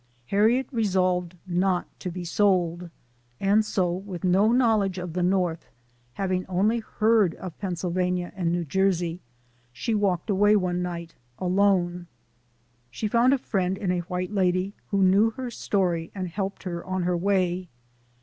Harriet resolved not to be sold, and so, with no knowledge of the North having only heard of Pennsylvania and New Jersey she walked away one night alone. She found a friend in a white lady, who knew her story and helped her on her way.